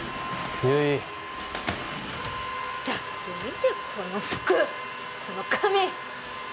悠依だって見てこの服この髪